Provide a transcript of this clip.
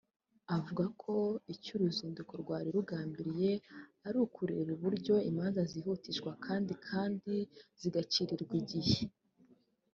avuga ko icyo uru ruzinduko rwari rugambiriye ari ukureba uburyo imanza zihutishwa kandi kandi zigacirirwa igihe